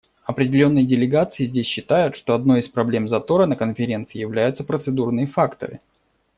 Определенные делегации здесь считают, что одной из проблем затора на Конференции являются процедурные факторы.